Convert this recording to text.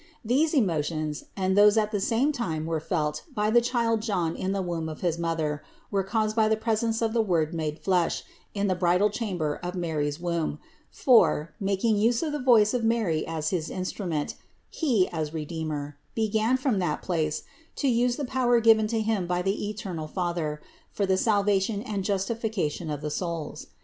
These emo tions, and those that at the same time were felt by the child John in the womb of his mother, were caused by the presence of the Word made flesh in the bridal cham ber of Mary's womb, for, making use of the voice of Mary as his instrument, He, as Redeemer, began from that place to use the power given to Him by the eternal Father for the salvation and justification of the souls.